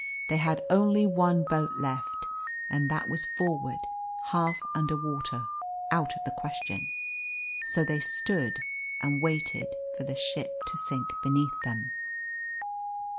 They had only one boat left, and that was forward, half under water out of the question. So they stood and waited for the ship to sink beneath them.